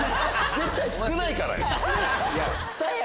絶対少ないからよ！